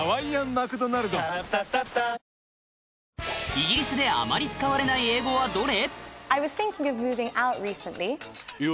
イギリスであまり使われない英語はどれ？